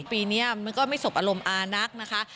ปีนี้มันก็ไม่สบอารมณ์อานักนะคะ